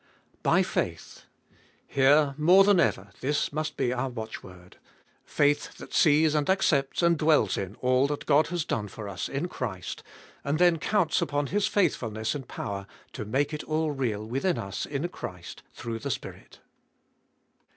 3. By faith. Here more than euer this must be our watchword. Faith that sees and accepts and dwells in all God has done for us in Christ, and then counts upon His faithfulness and power to make it all real within us in Christ through the Spirit.